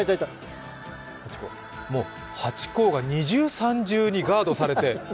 もうハチ公が二重、三重にガードされて。